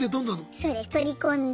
そうです取り込んで。